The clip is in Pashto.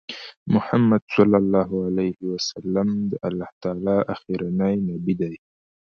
محمد صلی الله عليه وسلم د الله تعالی آخرنی نبی دی